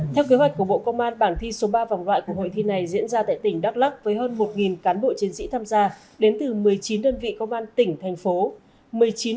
theo kế hoạch của bộ công an bảng thi số ba vòng loại của hội thi này diễn ra tại tỉnh đắk lắc với hơn một cán bộ chiến sĩ tham gia đến từ một mươi chín đơn vị công an tỉnh thành phố